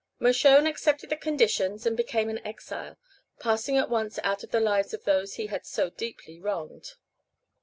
Mershone accepted the conditions and became an exile, passing at once out of the lives of those he had so deeply wronged.